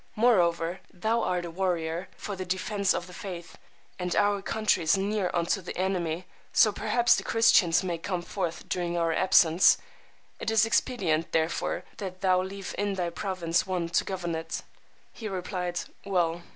Moreover, thou art a warrior for the defense of the faith, and our country is near unto the enemy; so perhaps the Christians may come forth during our absence; it is expedient, therefore, that thou leave in thy province one to govern it. He replied, Well.